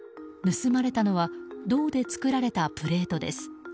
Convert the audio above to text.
盗まれたのは銅で作られたプレートです。